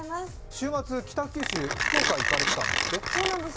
週末、北九州市、福岡に行かれてたんですって？